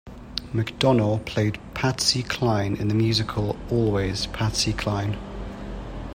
McDonough played Patsy Cline in the musical "Always...Patsy Cline".